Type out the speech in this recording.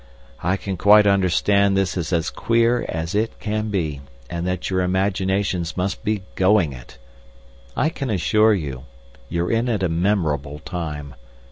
I can quite understand this is as queer as it can be, and that your imaginations must be going it. I can assure you, you're in at a memorable time.